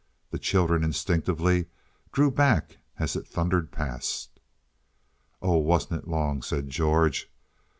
The children instinctively drew back as it thundered past. "Oh, wasn't it long?" said George.